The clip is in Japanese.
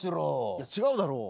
いや違うだろう。